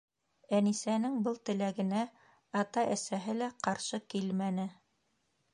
Әнисәнең был теләгенә ата-әсәһе лә ҡаршы килмәне.